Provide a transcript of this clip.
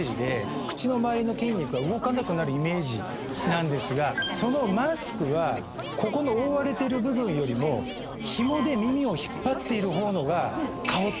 口の周りの筋肉が動かなくなるイメージなんですがそのマスクはここの覆われている部分よりもヒモで耳を引っ張っている方のが。